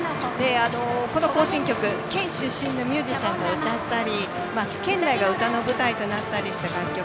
この行進曲県出身のミュージシャンが歌ったり県内が歌の舞台となった楽曲